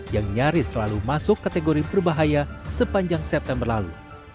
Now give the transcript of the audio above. yang nyaris selalu masuk kategori berbahaya sepanjang september lalu